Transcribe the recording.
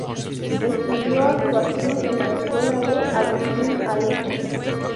Estudió actuación en la escuela de Agustín Alezzo.